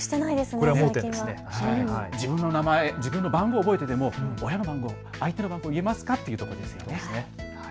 最近は自分の名前自分の番号は覚えていても親の番号、相手の番号を言えますかということですね。